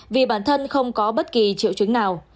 vì bản thân không có bất kỳ triệu chứng nào